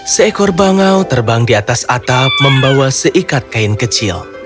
seekor bangau terbang di atas atap membawa seikat kain kecil